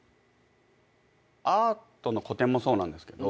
アートの個展もそうなんですけど。